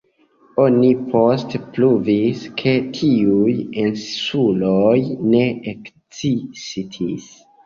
Oni poste pruvis, ke tiuj insuloj ne ekzistis.